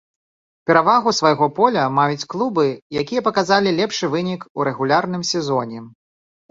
Перавагу свайго поля маюць клубы, якія паказалі лепшы вынік у рэгулярным сезоне.